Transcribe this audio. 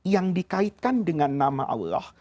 yang dikaitkan dengan nama allah